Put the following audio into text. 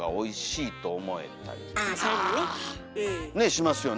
しますよね。